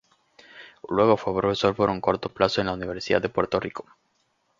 Luego fue profesor por un corto plazo en la Universidad de Puerto Rico.